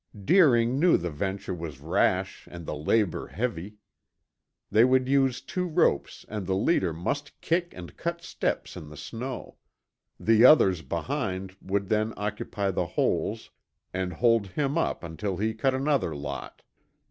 Deering knew the venture was rash and the labor heavy. They would use two ropes and the leader must kick and cut steps in the snow; the others behind would then occupy the holes and hold him up until he cut another lot.